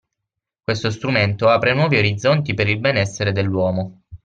Questo strumento apre nuovi orizzonti per il benessere dell’uomo.